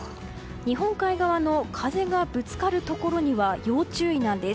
日本海側の風がぶつかるところには要注意なんです。